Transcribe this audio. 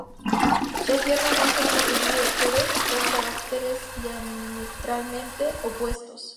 Sofía y Ramón son un matrimonio de actores, con caracteres diametralmente opuestos.